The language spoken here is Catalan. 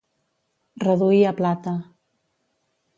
Reduir a plata.